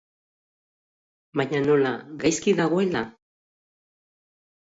Baina nola, gaizki dagoela?